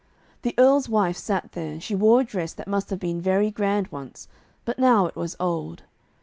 The Earl's wife sat there, and she wore a dress that must have been very grand once, but now it was old.